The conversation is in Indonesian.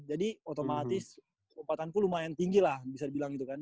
jadi otomatis kekuatanku lumayan tinggi lah bisa dibilang gitu kan